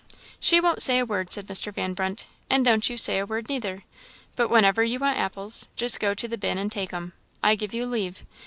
"She won't say a word," said Mr. Van Brunt; "and don't you say a word neither, but whenever you want apples, just go to the bin and take 'em. I give you leave.